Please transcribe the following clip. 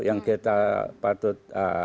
yang kita patut